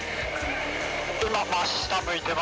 今真下向いてます。